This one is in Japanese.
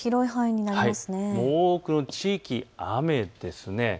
多くの地域、雨です。